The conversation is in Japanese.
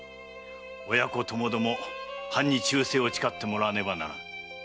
親子ともども藩に忠誠を誓ってもらわねばならぬ。